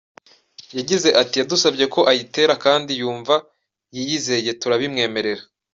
Yagize ati “Yadusabye ko ayitera akandi yumva yiyizeye turabimwemerera.